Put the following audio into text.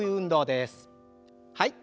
はい。